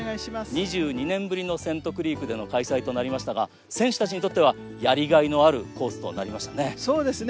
２２年ぶりのセントクリークでの開催となりましたが、選手たちにとっては、やりがいのあるコースとなりましたね。